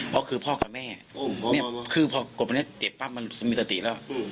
เพราะคือพ่อกับแม่คือพ่อกดไปนี่เตียบปั้งมันจะมีสติแล้ว